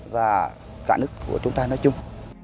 và cả nước của chúng ta nói chung